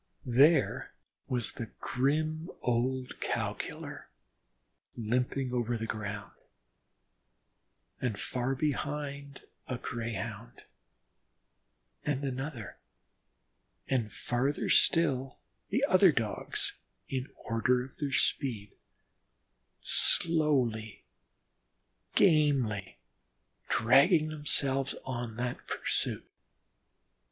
There was the grim old Cow killer limping over the ground, and far behind a Greyhound, and another, and farther still, the other Dogs in order of their speed, slowly, gamely, dragging themselves on that pursuit.